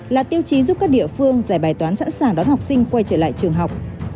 là tiêu chí giúp các địa phương giải bài toán sẵn sàng đón học sinh quay trở lại trường học